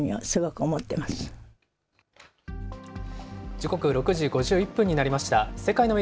時刻、６時５１分になりました。